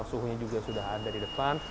suhunya juga sudah ada di depan